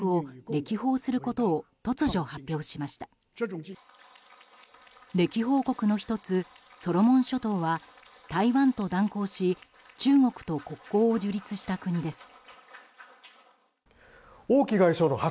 歴訪国の１つソロモン諸島は台湾と断交し中国と国交を樹立した国です。